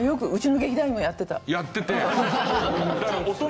やってて。